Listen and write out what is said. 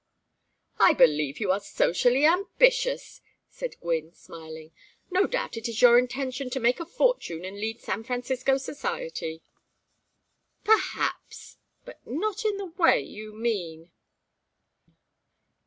"I believe you are socially ambitious," said Gwynne, smiling. "No doubt it is your intention to make a fortune and lead San Francisco society." "Perhaps, but not in the way you mean."